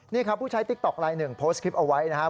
นี่ครับผู้ใช้ติ๊กต๊อกลายหนึ่งโพสต์คลิปเอาไว้นะครับ